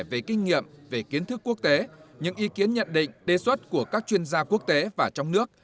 về kinh nghiệm về kiến thức quốc tế những ý kiến nhận định đề xuất của các chuyên gia quốc tế và trong nước